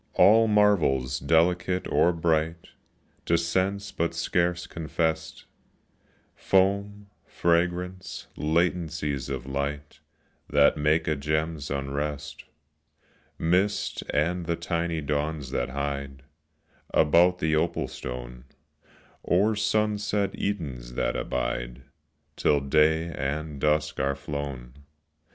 All marvels delicate or bright To sense but scarce confest: Foam, fragrance, latencies of light That make a gem's unrest; Mist, and the tiny dawns that hide About the opal stone, Or sunset Edens that abide Till day and dusk are flown.